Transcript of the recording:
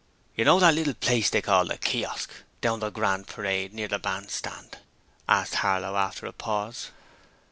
'You know that little place they call the "Kiosk" down the Grand Parade, near the bandstand,' asked Harlow after a pause.